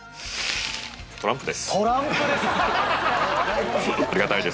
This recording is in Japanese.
トランプです！